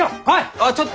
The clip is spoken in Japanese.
あっちょっと！